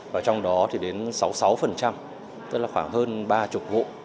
và trong đó thì đến sáu mươi sáu tức là khoảng hơn ba mươi vụ